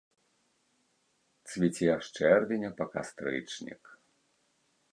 Цвіце з чэрвеня па кастрычнік.